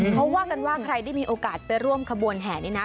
เขาว่ากันว่าใครได้มีโอกาสไปร่วมขบวนแห่นี่นะ